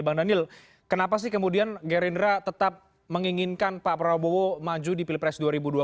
bang daniel kenapa sih kemudian gerindra tetap menginginkan pak prabowo maju di pilpres dua ribu dua puluh